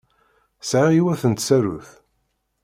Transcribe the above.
Sɛiɣ yiwet n tsarut.